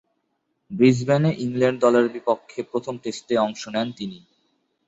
ব্রিসবেনে England দলের বিপক্ষে প্রথম টেস্টে অংশ নেন তিনি।